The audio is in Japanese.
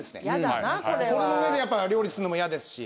これの上で料理すんのも嫌ですし。